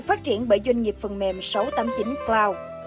phát triển bởi doanh nghiệp phần mềm sáu trăm tám mươi chín cloud